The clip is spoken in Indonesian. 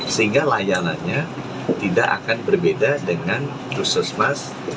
sehingga layanannya tidak akan berbeda dengan puskesmas